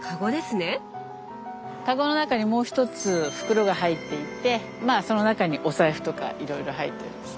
かごの中にもう１つ袋が入っていてまあその中にお財布とかいろいろ入ってるんです。